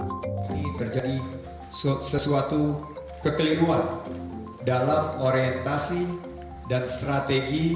ini terjadi sesuatu kekeliruan dalam orientasi dan strategi